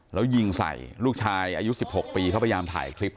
แล้วยิงใส่ลูกชายอายุ๑๖ปีเขาพยายามถ่ายคลิป